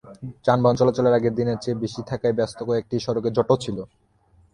যানবাহন চলাচল আগের দিনের চেয়ে বেশি থাকায় ব্যস্ত কয়েকটি সড়কে জটও ছিল।